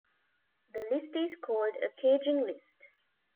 The list is called a caging list.